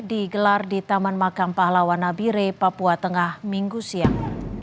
digelar di taman makam pahlawan nabire papua tengah minggu siang